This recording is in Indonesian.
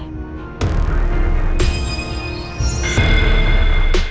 bentar lagi pasti bakal mati lagi nih